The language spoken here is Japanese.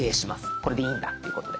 これでいいんだっていうことで。